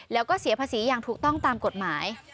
แล้วก็เสียภาษีอย่างถูกต้องตามกฎหมาย